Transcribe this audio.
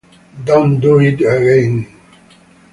Don't do it again.